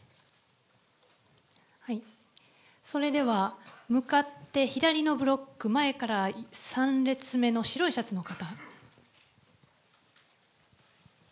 それでは向かって左のブロック、前から３列目の白いシャツの方。